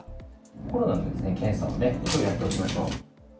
コロナの検査をきょうやっておきましょう。